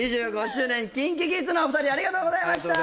２５周年ＫｉｎＫｉＫｉｄｓのお二人ありがとうございました